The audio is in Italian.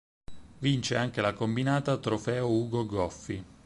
Vince anche la combinata Trofeo "Ugo Goffi".